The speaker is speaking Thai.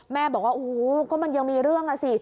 แม่บอกว่าโอ้โหก็มันยังมีเรื่องอ่ะสิ